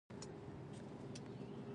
د خلکو ډولونه